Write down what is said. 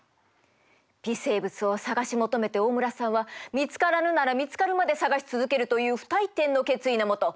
微生物を探し求めて大村さんは見つからぬなら見つかるまで探し続けるという不退転の決意の下